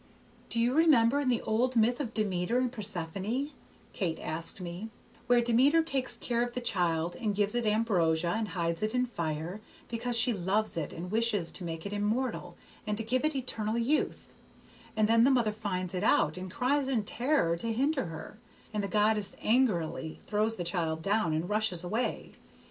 "Do you remember in the old myth of Demeter and Persephone," Kate asked me, "where Demeter takes care of the child and gives it ambrosia and hides it in fire, because she loves it and wishes to make it immortal, and to give it eternal youth; and then the mother finds it out and cries in terror to hinder her, and the goddess angrily throws the child down and rushes away?